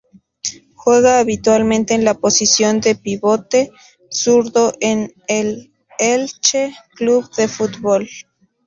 Juega habitualmente en la posición de pivote zurdo en el Elche Club de Fútbol.